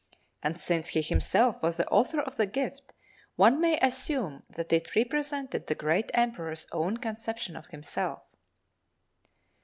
And since he himself was the author of the gift, one may assume that it represented the Great Emperor's own conception of himself.